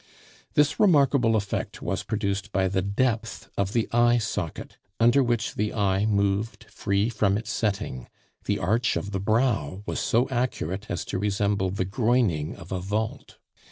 This remarkable effect was produced by the depth of the eye socket, under which the eye moved free from its setting; the arch of the brow was so accurate as to resemble the groining of a vault.